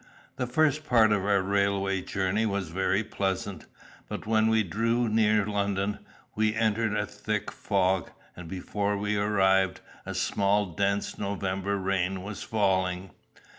The first part of our railway journey was very pleasant. But when we drew near London, we entered a thick fog, and before we arrived, a small dense November rain was falling.